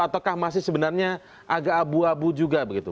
ataukah masih sebenarnya agak abu abu juga begitu